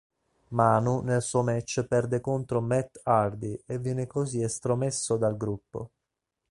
Manu nel suo match perde contro Matt Hardy e viene così estromesso dal gruppo.